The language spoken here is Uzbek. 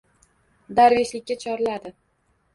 Darveshlikka chorladi.